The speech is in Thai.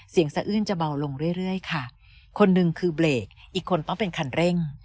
สะอื้นจะเบาลงเรื่อยเรื่อยค่ะคนหนึ่งคือเบรกอีกคนต้องเป็นคันเร่ง